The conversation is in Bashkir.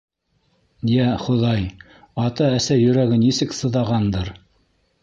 Йә, Хоҙай, ата-әсә йөрәге нисек сыҙағандыр?